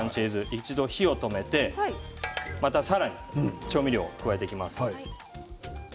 一度火を止めてまたさらに調味料を加えていきます。